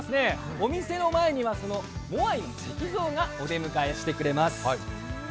お店の前にはモアイの石像がお出迎えしてくれます。